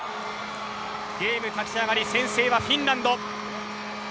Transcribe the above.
ゲーム立ち上がり先制はフィンランド。